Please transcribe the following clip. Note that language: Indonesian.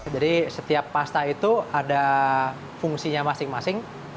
jadi setiap pasta itu ada fungsinya masing masing